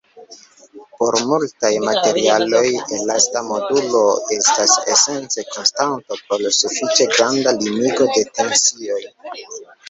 Por multaj materialoj, elasta modulo estas esence konstanto por sufiĉe granda limigo de tensioj.